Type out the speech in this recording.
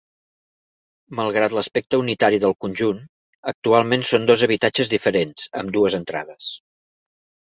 Malgrat l'aspecte unitari del conjunt, actualment són dos habitatges diferents, amb dues entrades.